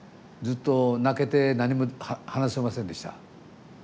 ずっと泣けて何も話せませんでした。